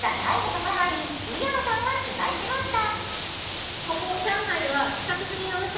特派員、宇山さんが取材しました。